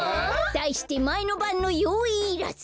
だいしてまえのばんのよういいらず！